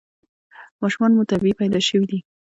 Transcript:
ماشومان مو طبیعي پیدا شوي دي؟